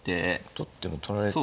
取っても取られて。